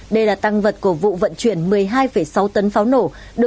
đây là tăng vật của vụ vận chuyển một mươi hai sáu tấn pháo nổ